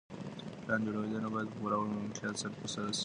پلان جوړونه بايد په پوره روڼتيا ترسره سي.